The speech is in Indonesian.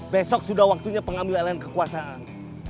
besok sudah waktunya pengambilan kekuasaan